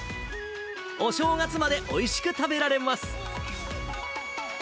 お正月までおいしく食べられます。